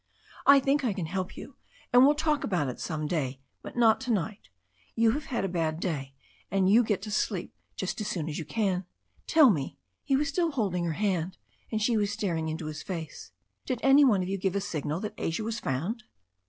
I think I can help you, and we'll talk about it some day, but not to night. You have had a bad day, and you get to sleep just as soon as you can. Tell me" — ^he was still holding her hand, and she was staring into his face — "did any one give a signal that Asia was found?"